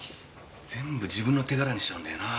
全部自分の手柄にしちゃうんだよな。